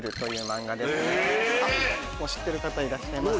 知ってる方いらっしゃいますね。